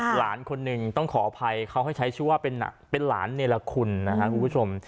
หลานคนหนึ่งต้องขออภัยเขาให้ใช้ชื่อว่าเป็นหลานเนรคุณนะครับคุณผู้ชม